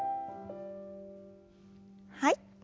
はい。